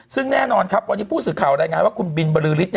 ซึ่งแน่นอนวันนี้ผู้สื่อข่าวได้ไงว่าคุณบิลบรือริฐ